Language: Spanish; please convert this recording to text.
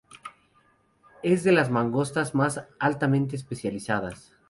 Es de las mangostas más altamente especializadas.